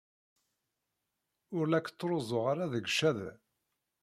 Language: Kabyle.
Ur la k-ttruẓuɣ ara deg ccada.